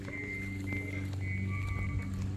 যখন তিনি সাধনা করেন, তখন তাঁহার শরীর চঞ্চল হয় না।